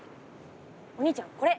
お兄ちゃんこれ！